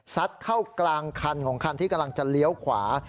เข้ากลางคันของคันที่กำลังจะเลี้ยวขวา